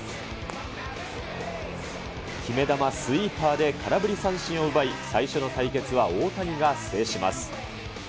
決め球、スイーパーで空振り三振を奪い、最初の対決は大谷が制します。